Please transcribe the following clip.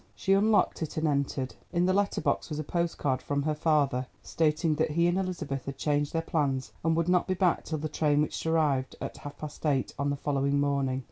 She unlocked it and entered. In the letter box was a post card from her father stating that he and Elizabeth had changed their plans and would not be back till the train which arrived at half past eight on the following morning.